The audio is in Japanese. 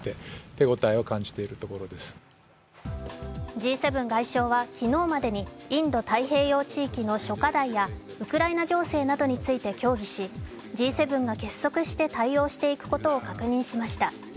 Ｇ７外相は昨日までにインド太平洋地域の諸課題やウクライナ情勢などについて協議し、Ｇ７が結束して対応していくことを確認しました。